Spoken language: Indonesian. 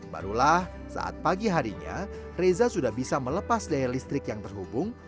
barulah saat pagi harinya reza sudah bisa melepas daya listrik yang terhubung